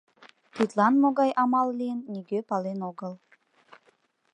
Тидлан могай амал лийын, нигӧ пален огыл.